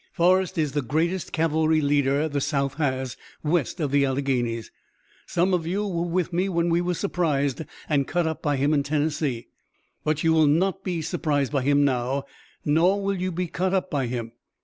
Forrest is the greatest cavalry leader the South has, west of the Alleghanies. Some of you were with me when we were surprised and cut up by him in Tennessee. But you will not be surprised by him now, nor will you be cut up by him.